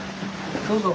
どうぞ。